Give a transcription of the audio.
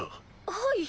はい。